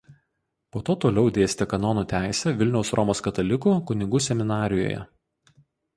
Po to toliau dėstė kanonų teisę Vilniaus Romos katalikų kunigų seminarijoje.